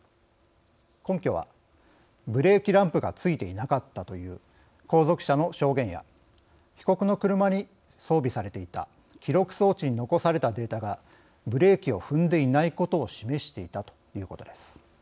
根拠は「ブレーキランプがついていなかった」という後続車の証言や被告の車に装備されていた記録装置に残されたデータがブレーキを踏んでいないことを示していたということです。